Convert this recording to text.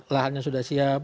lahannya sudah siap